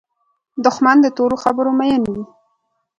دښمن د تورو خبرو مین وي